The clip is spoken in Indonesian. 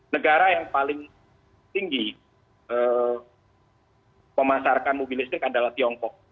negara yang paling tinggi pemasarkan mobil listrik adalah tiongkok